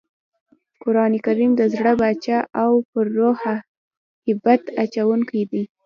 قرانکریم د زړه باچا او پر روح هیبت اچوونکی دئ.